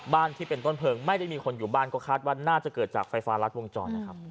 ที่เป็นต้นเพลิงไม่ได้มีคนอยู่บ้านก็คาดว่าน่าจะเกิดจากไฟฟ้ารัดวงจรนะครับ